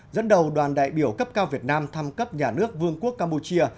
dẫn đầu đoàn đại biểu cấp cao việt nam thăm cấp nhà nước vương quốc campuchia